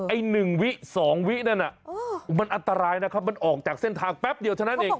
ไอ้๑วิ๒วินั่นน่ะมันอันตรายนะครับมันออกจากเส้นทางแป๊บเดียวเท่านั้นเอง